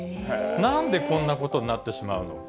なんでこんなことになってしまうのか。